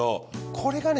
これがね